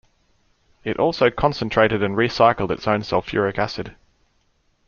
It also concentrated and re-cycled its own sulphuric acid.